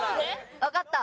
わかった。